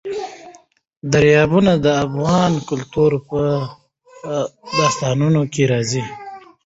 دریابونه د افغان کلتور په داستانونو کې راځي.